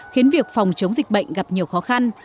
khiến việc phòng chống dịch bệnh gặp nhiều khó khăn